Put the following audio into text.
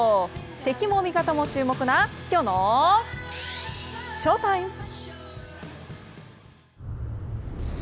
敵も味方も注目なきょうのＳＨＯＴＩＭＥ！